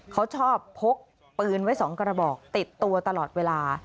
เขาชอบพกปืนไว้๒กระบอกติดตัวตลอดเวลา